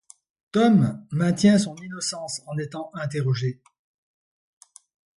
Tom maintient son innocence en étant interrogé.